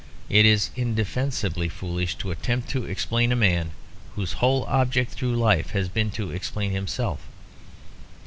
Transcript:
It is indefensibly foolish to attempt to explain a man whose whole object through life has been to explain himself.